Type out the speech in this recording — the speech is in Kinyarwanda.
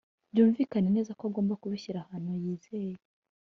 byumvikane neza ko agomba kubishyira ahantu yizeye